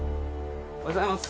おはようございます。